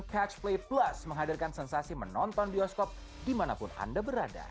catch play plus menghadirkan sensasi menonton bioskop dimanapun anda berada